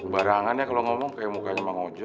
barangan termu ngomong ngomong ke vih makanya mengunjur